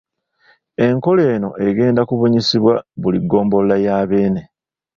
Enkola eno egenda kubunyisibwa buli ggombolola ya Beene.